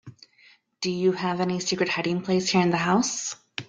Do you have any secret hiding place here in the house?